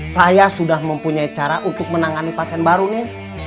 saya sudah mempunyai cara untuk menangani pasien baru nih